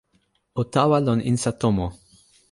o tawa lon insa tomo.